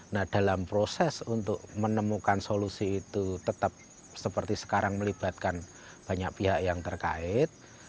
nah dalam proses untuk menemukan solusi itu tetap seperti sekarang melibatkan banyak pihak yang terkait